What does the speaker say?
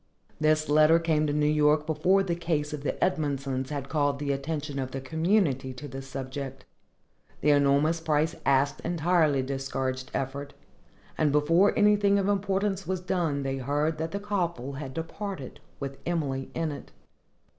This letter came to New York before the case of the Edmondsons had called the attention of the community to this subject. The enormous price asked entirely discouraged effort, and before anything of importance was done they heard that the coffle had departed, with Emily in it.